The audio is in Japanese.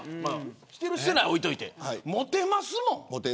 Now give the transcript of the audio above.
してるしてないは置いておいてモテますもん。